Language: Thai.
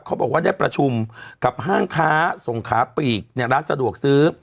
เขาบอกว่าได้ประชุมกับห้างค้าส่งขาปลีกในร้านสะดวกซื้อ